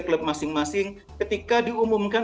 klub masing masing ketika diumumkan